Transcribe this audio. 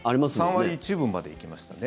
３割１分まで行きましたね。